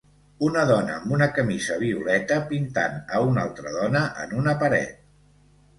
Una dona amb una camisa violeta pintant a una altra dona en una paret